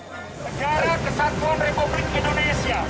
negara kesatuan republik indonesia